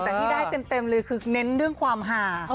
แต่ที่ได้เต็มเลยคือเน้นเรื่องความหา